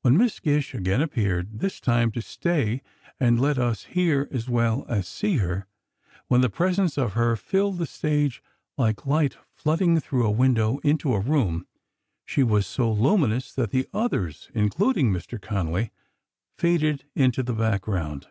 When Miss Gish again appeared, this time to stay and let us hear as well as see her, when the presence of her filled the stage like light flooding through a window into a room, she was so luminous that the others, including Mr. Connolly, faded into the background.